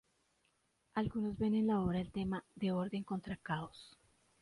Algunos ven en la obra el tema de orden contra caos.